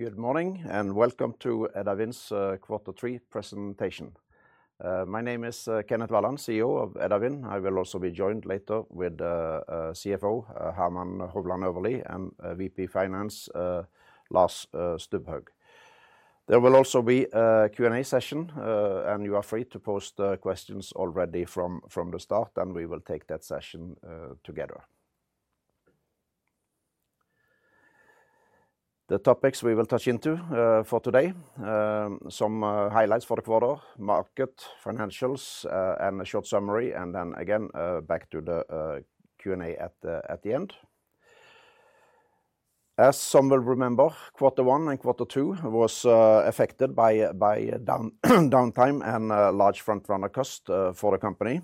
Good morning, and welcome to Edda Wind's quarter three presentation. My name is Kenneth Walland, CEO of Edda Wind. I will also be joined later with CFO Hermann Hovland Øverlie and VP Finance Lars Stubhaug. There will also be a Q&A session, and you are free to post questions already from the start, and we will take that session together. The topics we will touch into for today: some highlights for the quarter, market, financials, and a short summary, and then again back to the Q&A at the end. As some will remember, quarter one and quarter two were affected by downtime and large front-runner costs for the company.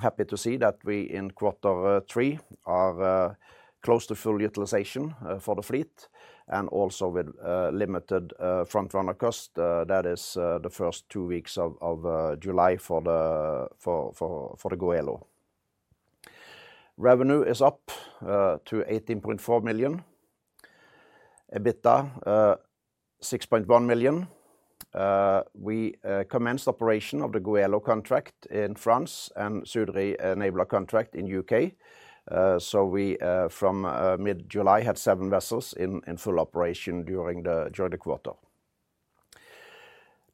Happy to see that we in quarter three are close to full utilization for the fleet, and also with limited front-runner costs, that is the first two weeks of July for the Goelo. Revenue is up to 18.4 million, EBITDA 6.1 million. We commenced operation of the Goelo contract in France and Sudri Enabler contract in the U.K., so we from mid-July had seven vessels in full operation during the quarter.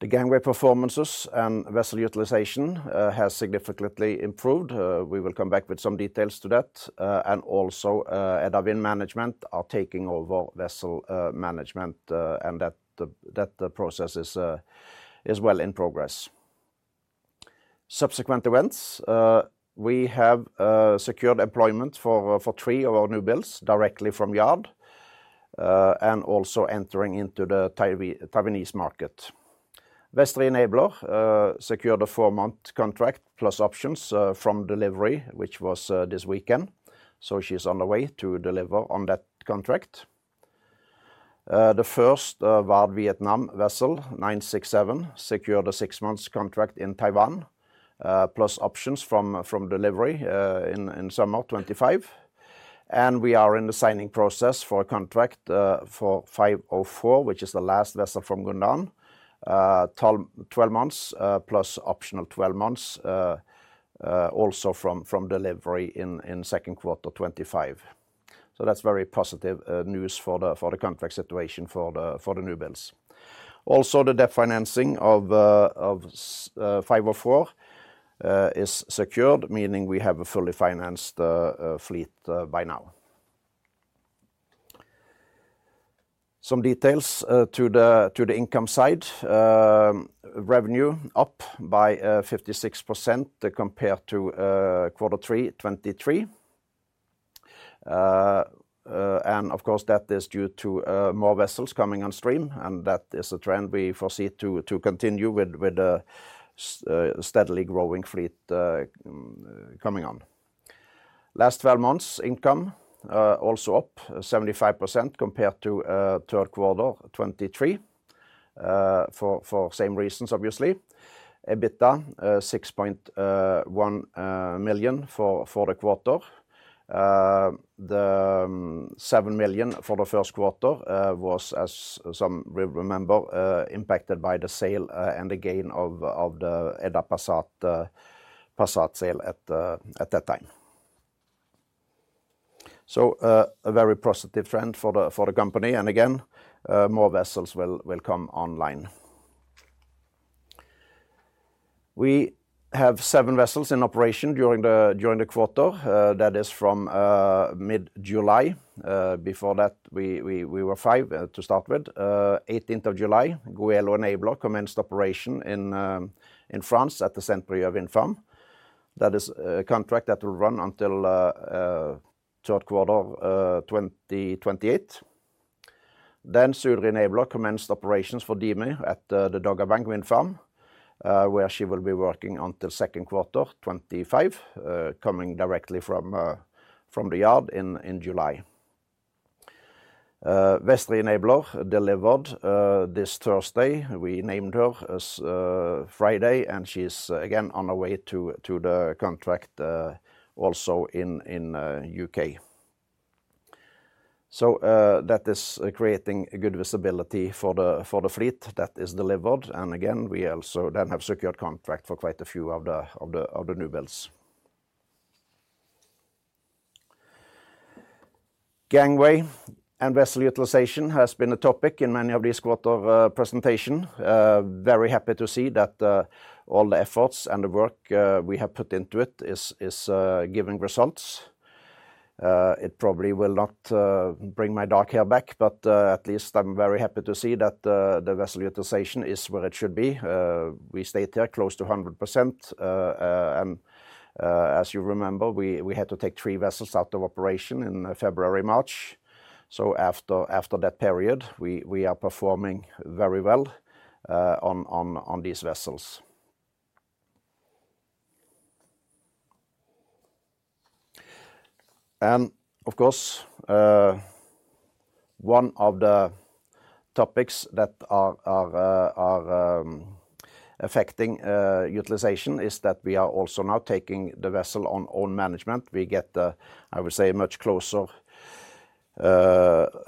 The gangway performances and vessel utilization have significantly improved. We will come back with some details to that, and also Edda Wind Management are taking over vessel management, and that process is well in progress. Subsequent events: we have secured employment for three of our new builds directly from yard and also entering into the Taiwanese market. Vestri Enabler secured a four-month contract plus options from delivery, which was this weekend, so she's on the way to deliver on that contract. The first Vard Vietnam vessel, 967, secured a six-month contract in Taiwan plus options from delivery in summer 2025, and we are in the signing process for a contract for 504, which is the last vessel from Gondán, 12 months plus optional 12 months also from delivery in second quarter 2025. So that's very positive news for the contract situation for the new builds. Also, the debt financing of 504 is secured, meaning we have a fully financed fleet by now. Some details to the income side: revenue up by 56% compared to quarter three, 2023, and of course that is due to more vessels coming on stream, and that is a trend we foresee to continue with the steadily growing fleet coming on. Last 12 months income also up 75% compared to third quarter 2023 for same reasons, obviously. EBITDA 6.1 million for the quarter. The 7 million for the first quarter was, as some will remember, impacted by the sale and the gain of the Edda Passat sale at that time, so a very positive trend for the company, and again more vessels will come online. We have seven vessels in operation during the quarter, that is from mid-July. Before that, we were five to start with. 18th of July, Goelo Enabler commenced operation in France at the Saint-Brieuc. That is a contract that will run until third quarter 2028, then Sudri Enabler commenced operations for DEME at the Dogger Bank Wind Farm, where she will be working until second quarter 2025, coming directly from the yard in July. Vestri Enabler delivered this Thursday. We named her last Friday, and she's again on her way to the contract also in the U.K. So that is creating good visibility for the fleet that is delivered, and again we also then have secured contract for quite a few of the new builds. Gangway and vessel utilization has been a topic in many of these quarter presentations. Very happy to see that all the efforts and the work we have put into it is giving results. It probably will not bring my dark hair back, but at least I'm very happy to see that the vessel utilization is where it should be. We stayed there close to 100%, and as you remember, we had to take three vessels out of operation in February-March. So after that period, we are performing very well on these vessels. And of course, one of the topics that are affecting utilization is that we are also now taking the vessel on own management. We get, I would say, a much closer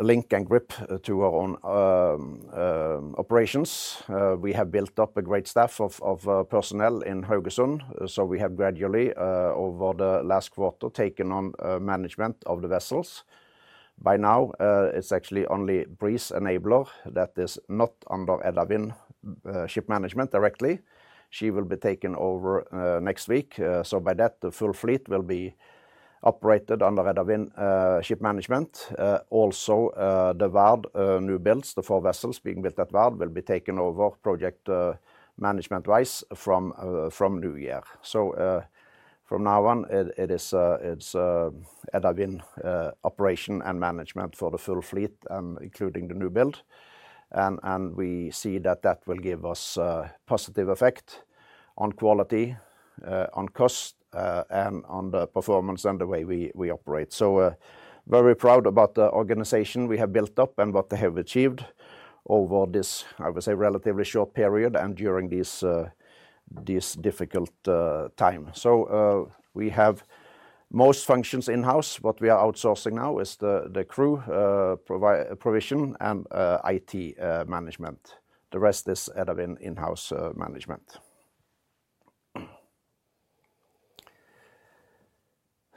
link and grip to our own operations. We have built up a great staff of personnel in Haugesund, so we have gradually, over the last quarter, taken on management of the vessels. By now, it's actually only Breeze Enabler that is not under Edda Wind Ship Management directly. She will be taken over next week, so by that, the full fleet will be operated under Edda Wind Ship Management. Also, the Vard new builds, the four vessels being built at Vard, will be taken over project management-wise from new year. So from now on, it's Edda Wind operation and management for the full fleet, including the new build, and we see that that will give us a positive effect on quality, on cost, and on the performance and the way we operate. So very proud about the organization we have built up and what they have achieved over this, I would say, relatively short period and during this difficult time. So we have most functions in-house, but we are outsourcing now is the crew provision and IT management. The rest is Edda Wind in-house management.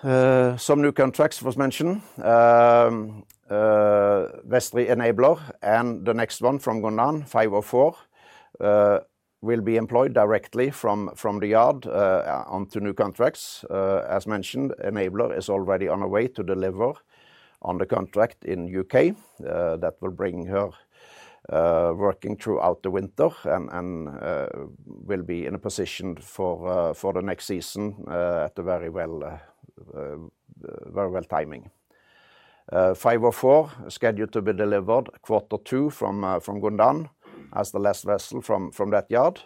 Some new contracts was mentioned. Vestri Enabler and the next one from Gondán, 504, will be employed directly from the yard onto new contracts. As mentioned, Enabler is already on her way to deliver on the contract in the U.K. That will bring her working throughout the winter and will be in a position for the next season at a very well-timed. 504 scheduled to be delivered quarter two from Gondán as the last vessel from that yard.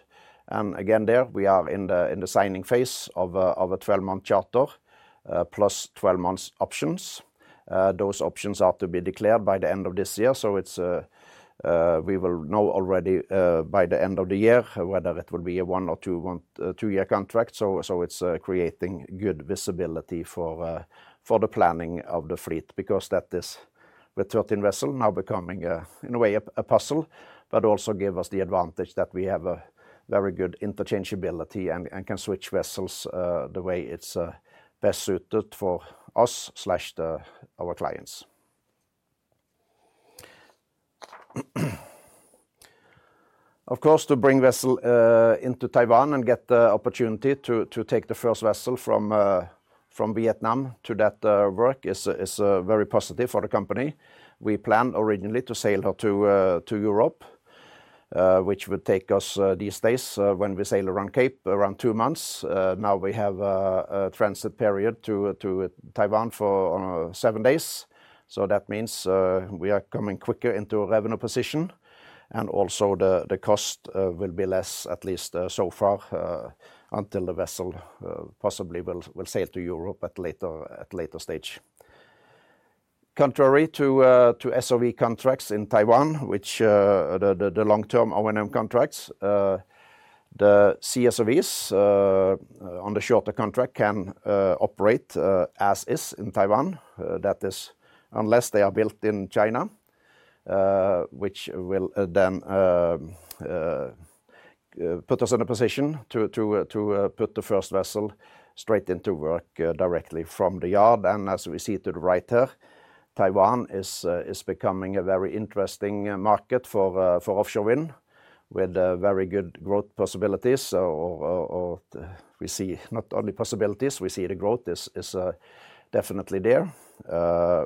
And again there, we are in the signing phase of a 12-month charter plus 12-month options. Those options are to be declared by the end of this year, so we will know already by the end of the year whether it will be a one or two-year contract. So it's creating good visibility for the planning of the fleet because that is with 13 vessels now becoming in a way a puzzle, but also gives us the advantage that we have a very good interchangeability and can switch vessels the way it's best suited for us or our clients. Of course, to bring vessel into Taiwan and get the opportunity to take the first vessel from Vietnam to that work is very positive for the company. We planned originally to sail her to Europe, which would take us these days when we sail around Cape around two months. Now we have a transit period to Taiwan for seven days, so that means we are coming quicker into a revenue position, and also the cost will be less, at least so far, until the vessel possibly will sail to Europe at a later stage. Contrary to SOV contracts in Taiwan, which are the long-term O&M contracts, the CSOVs on the shorter contract can operate as is in Taiwan, that is unless they are built in China, which will then put us in a position to put the first vessel straight into work directly from the yard, and as we see to the right there, Taiwan is becoming a very interesting market for offshore wind with very good growth possibilities. We see not only possibilities, we see the growth is definitely there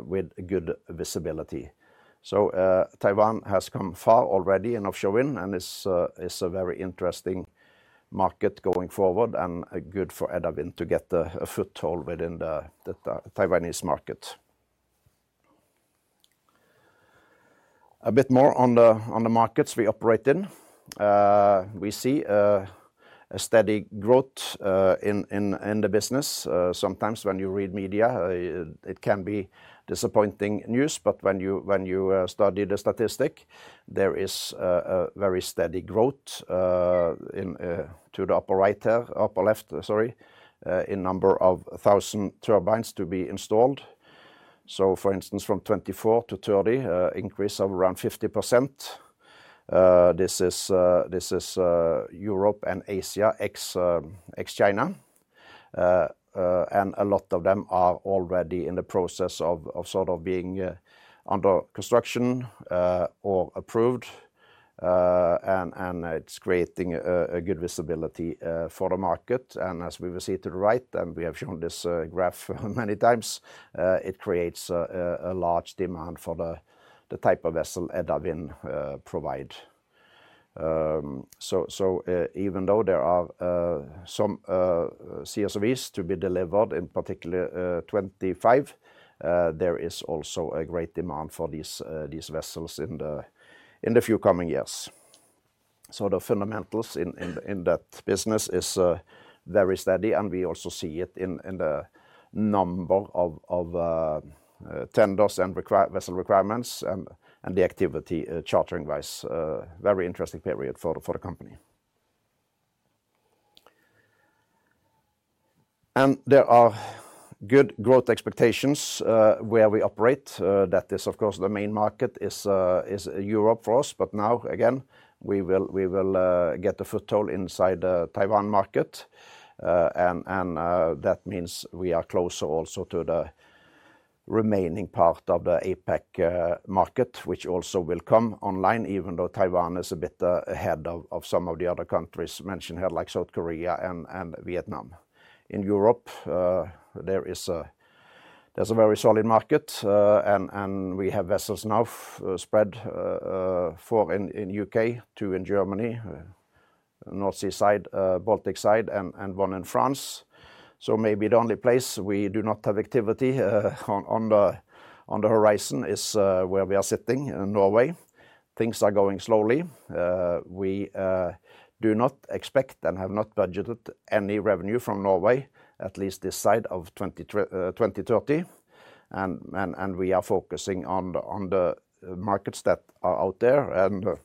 with good visibility. Taiwan has come far already in offshore wind and is a very interesting market going forward and good for Edda Wind to get a foothold within the Taiwanese market. A bit more on the markets we operate in. We see a steady growth in the business. Sometimes when you read media, it can be disappointing news, but when you study the statistic, there is a very steady growth to the upper right there, upper left, sorry, in number of thousand turbines to be installed. For instance, from 2024 to 2030, increase of around 50%. This is Europe and Asia ex-China, and a lot of them are already in the process of sort of being under construction or approved, and it's creating a good visibility for the market. And as we will see to the right, and we have shown this graph many times, it creates a large demand for the type of vessel Edda Wind provides. So even though there are some CSOVs to be delivered in particular 2025, there is also a great demand for these vessels in the few coming years. So the fundamentals in that business is very steady, and we also see it in the number of tenders and vessel requirements and the activity chartering-wise. Very interesting period for the company. And there are good growth expectations where we operate. That is, of course, the main market is Europe for us, but now again we will get a foothold inside the Taiwan market, and that means we are closer also to the remaining part of the APEC market, which also will come online even though Taiwan is a bit ahead of some of the other countries mentioned here, like South Korea and Vietnam. In Europe, there's a very solid market, and we have vessels now spread four in the U.K., two in Germany, North Sea side, Baltic side, and one in France. So maybe the only place we do not have activity on the horizon is where we are sitting in Norway. Things are going slowly. We do not expect and have not budgeted any revenue from Norway, at least this side of 2030, and we are focusing on the markets that are out there.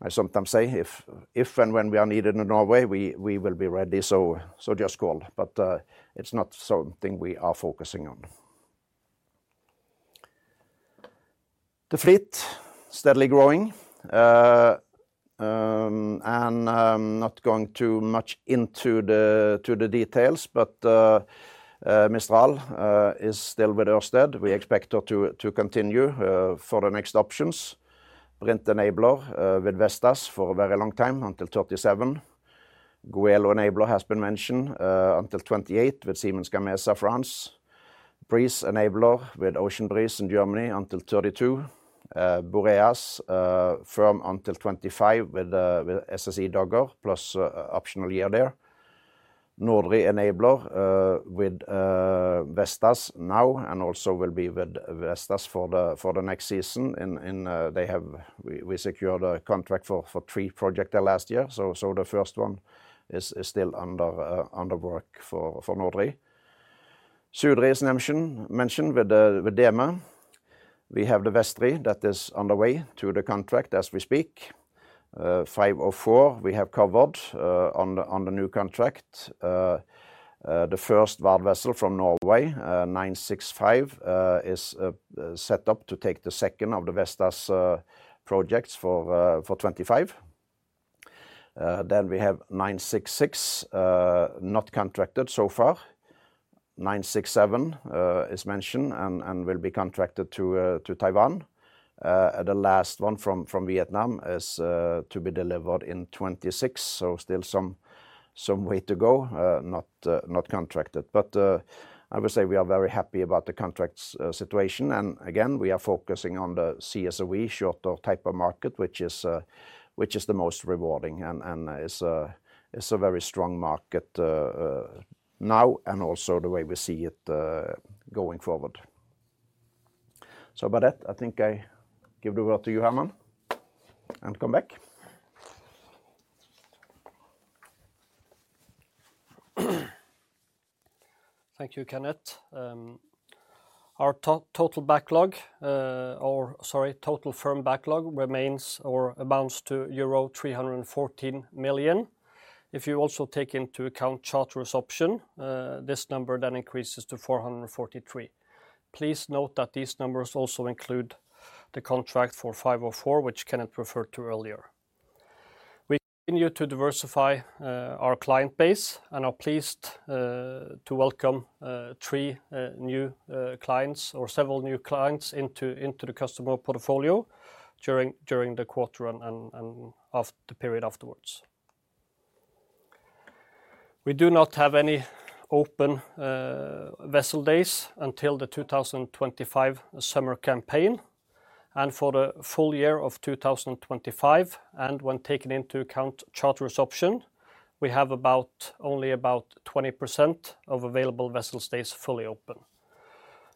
And I sometimes say if and when we are needed in Norway, we will be ready, so just call, but it's not something we are focusing on. The fleet is steadily growing, and I'm not going too much into the details, but Mistral is still with Ørsted. We expect her to continue for the next options. Brint Enabler with Vestas for a very long time until 2037. Goelo Enabler has been mentioned until 2028 with Siemens Gamesa France. Breeze Enabler with Ocean Breeze in Germany until 2032. Boreas firm until 2025 with SSE Dogger plus optional year there. Nordri Enabler with Vestas now and also will be with Vestas for the next season. We secured a contract for three projects there last year, so the first one is still under work for Nordri. Sudri is mentioned with DEME. We have the Vestri that is underway to the contract as we speak. 504 we have covered on the new contract. The first Vard vessel from Norway, 965, is set up to take the second of the Vestas projects for 2025. Then we have 966 not contracted so far. 967 is mentioned and will be contracted to Taiwan. The last one from Vietnam is to be delivered in 2026, so still some way to go, not contracted. But I would say we are very happy about the contract situation, and again we are focusing on the CSOV shorter type of market, which is the most rewarding and is a very strong market now and also the way we see it going forward. So about that, I think I give the word to you, Hermann, and come back. Thank you, Kenneth. Our total backlog, or sorry, total firm backlog remains or amounts to euro 314 million. If you also take into account charter option, this number then increases to 443 million. Please note that these numbers also include the contract for 504, which Kenneth referred to earlier. We continue to diversify our client base and are pleased to welcome three new clients or several new clients into the customer portfolio during the quarter and the period afterwards. We do not have any open vessel days until the 2025 summer campaign, and for the full year of 2025 and when taken into account charter option, we have only about 20% of available vessels days fully open.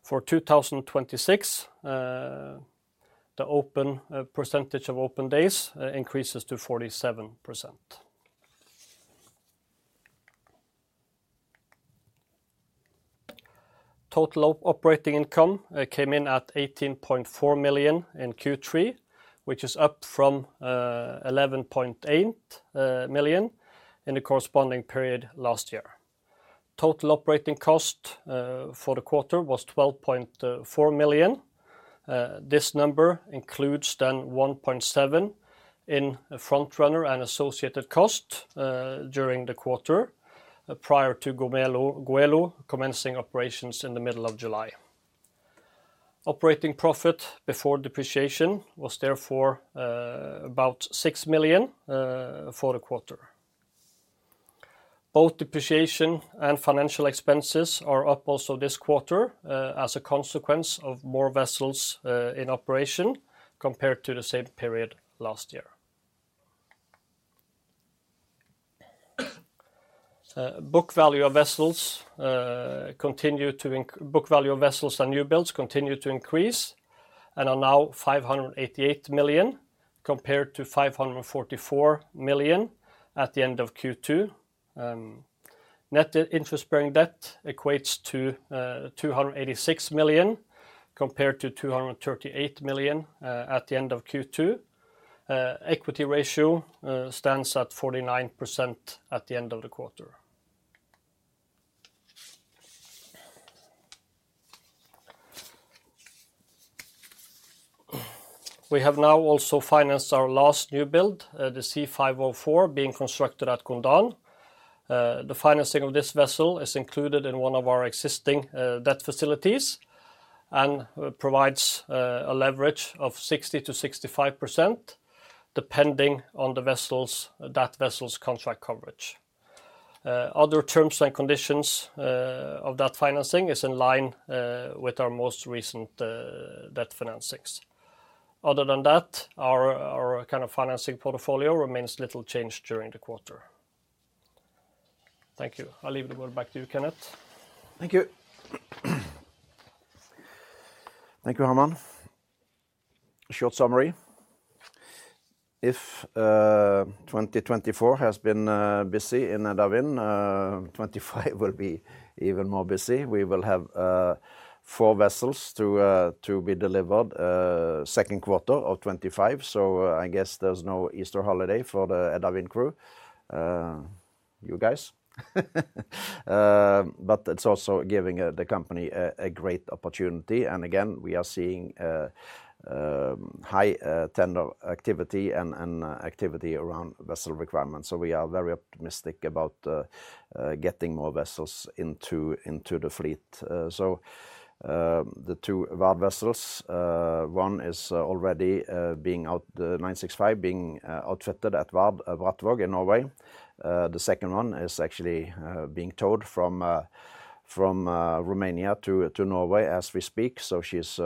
For 2026, the open percentage of open days increases to 47%. Total operating income came in at 18.4 million in Q3, which is up from 11.8 million in the corresponding period last year. Total operating cost for the quarter was 12.4 million. This number includes then 1.7 million in front-runner and associated cost during the quarter prior to Goelo commencing operations in the middle of July. Operating profit before depreciation was therefore about 6 million for the quarter. Both depreciation and financial expenses are up also this quarter as a consequence of more vessels in operation compared to the same period last year. Book value of vessels and new builds continue to increase and are now 588 million compared to 544 million at the end of Q2. Net interest bearing debt equates to 286 million compared to 238 million at the end of Q2. Equity ratio stands at 49% at the end of the quarter. We have now also financed our last new build, the C504, being constructed at Gondán. The financing of this vessel is included in one of our existing debt facilities and provides a leverage of 60%-65% depending on that vessel's contract coverage. Other terms and conditions of that financing are in line with our most recent debt financings. Other than that, our kind of financing portfolio remains little changed during the quarter. Thank you. I'll leave the word back to you, Kenneth. Thank you. Thank you, Hermann. Short summary. If 2024 has been busy in Edda Wind, 2025 will be even more busy. We will have four vessels to be delivered second quarter of 2025, so I guess there's no Easter holiday for the Edda Wind crew. You guys. But it's also giving the company a great opportunity, and again we are seeing high tender activity and activity around vessel requirements, so we are very optimistic about getting more vessels into the fleet. The two Vard vessels, one is already being outfitted, the 965 being outfitted at Vard Brattvåg in Norway. The second one is actually being towed from Romania to Norway as we speak, so she's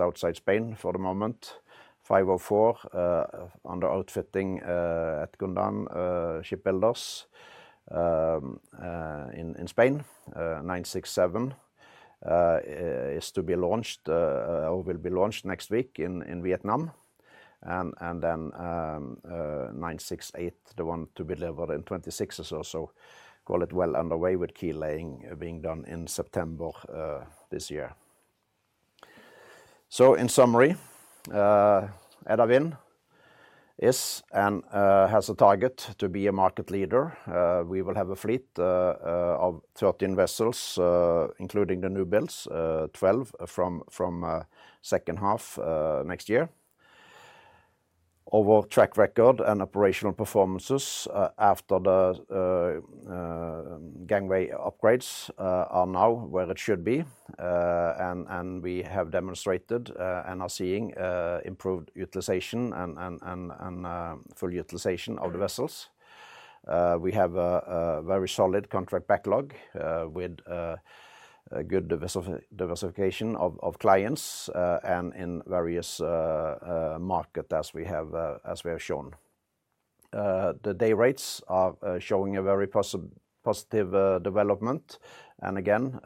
outside Spain for the moment. 504 under outfitting at Gondán Shipbuilders in Spain. 967 is to be launched or will be launched next week in Vietnam, and then 968, the one to be delivered in 2026 is also quite well underway with keel laying being done in September this year. In summary, Edda Wind has a target to be a market leader. We will have a fleet of 13 vessels, including the new builds, 12 from second half next year. Overall track record and operational performances after the gangway upgrades are now where it should be, and we have demonstrated and are seeing improved utilization and full utilization of the vessels. We have a very solid contract backlog with good diversification of clients and in various markets as we have shown. The day rates are showing a very positive development and again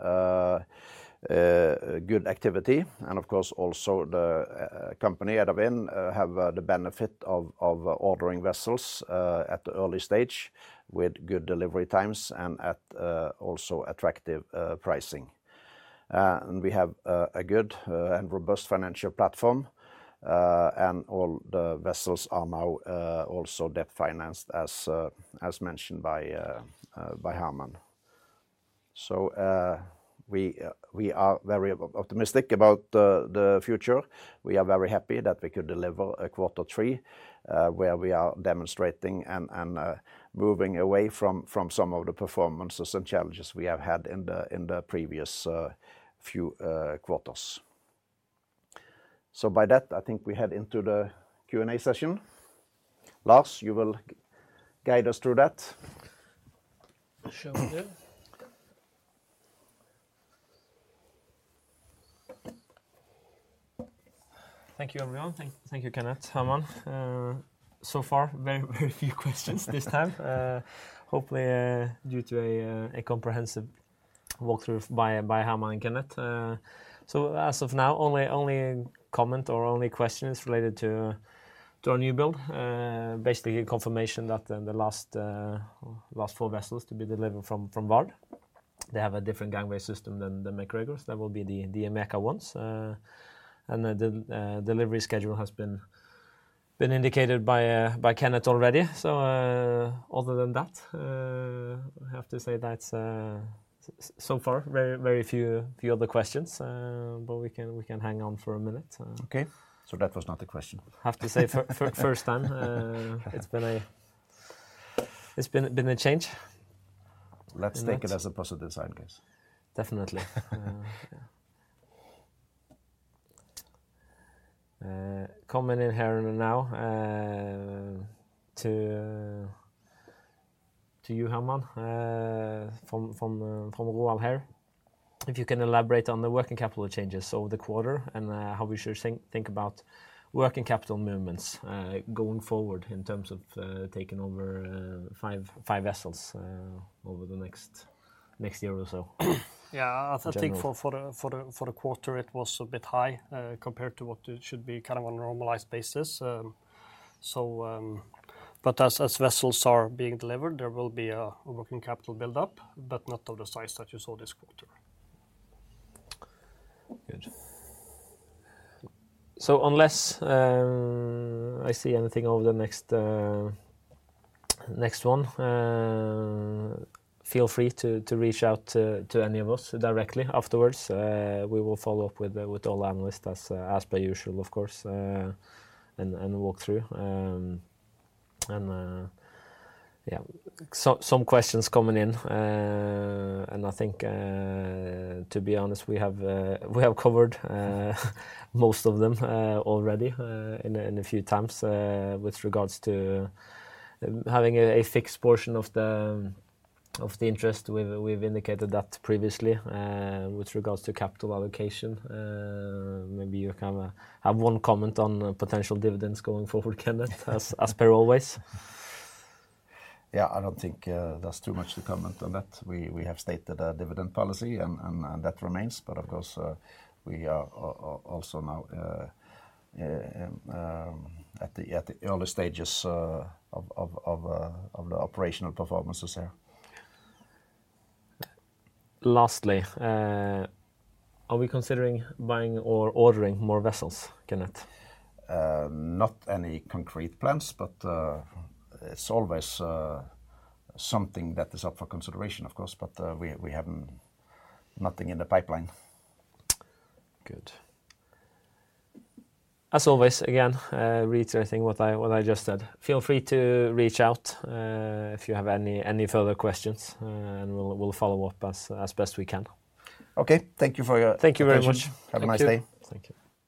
good activity, and of course also the company Edda Wind has the benefit of ordering vessels at the early stage with good delivery times and at also attractive pricing. We have a good and robust financial platform, and all the vessels are now also debt financed as mentioned by Hermann. So we are very optimistic about the future. We are very happy that we could deliver a quarter three where we are demonstrating and moving away from some of the performances and challenges we have had in the previous few quarters. So by that, I think we head into the Q&A session. Lars, you will guide us through that. Thank you, everyone. Thank you, Kenneth, Hermann. So far, very, very few questions this time. Hopefully due to a comprehensive walkthrough by Hermann and Kenneth. So as of now, only comment or only question is related to our new build. Basically, confirmation that the last four vessels to be delivered from Vard, they have a different gangway system than MacGregor’s. That will be the MacGregor ones, and the delivery schedule has been indicated by Kenneth already. So other than that, I have to say that so far, very, very few other questions, but we can hang on for a minute. Okay. So that was not a question. I have to say first time. It's been a change. Let's take it as a positive side case. Definitely. Comment in here and now to you, Hermann, from Roald here. If you can elaborate on the working capital changes over the quarter and how we should think about working capital movements going forward in terms of taking over five vessels over the next year or so? Yeah, I think for the quarter it was a bit high compared to what should be kind of on a normalized basis. But as vessels are being delivered, there will be a working capital buildup, but not of the size that you saw this quarter. Good. So unless I see anything over the next one, feel free to reach out to any of us directly afterwards. We will follow up with all analysts as per usual, of course, and walk through. Yeah, some questions coming in, and I think to be honest, we have covered most of them already in a few times with regards to having a fixed portion of the interest. We've indicated that previously with regards to capital allocation. Maybe you have one comment on potential dividends going forward, Hermann, as per always. Yeah, I don't think there's too much to comment on that. We have stated a dividend policy, and that remains, but of course we are also now at the early stages of the operational performances here. Lastly, are we considering buying or ordering more vessels, Kenneth? Not any concrete plans, but it's always something that is up for consideration, of course, but we have nothing in the pipeline. Good. As always, again reiterating what I just said. Feel free to reach out if you have any further questions, and we'll follow up as best we can. Okay, thank you for your. Thank you very much. Have a nice day. Thank you.